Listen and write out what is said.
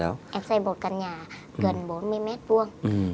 em xây một căn nhà gần bốn mươi m hai